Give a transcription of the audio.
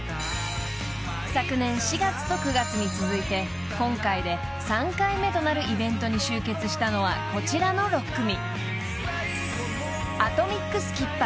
［昨年４月と９月に続いて今回で３回目となるイベントに集結したのはこちらの６組］